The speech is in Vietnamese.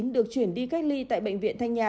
được chuyển đi cách ly tại bệnh viện thanh nhà